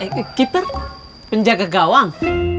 keeper penjaga gawang